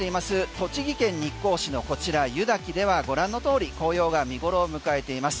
栃木県日光市のこちら湯滝ではご覧の通り紅葉が見頃を迎えています。